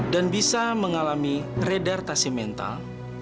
dan bisa mengalami redartasi mental